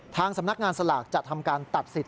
ทางสำนักงานสลากจะทำการตัดสิทธิ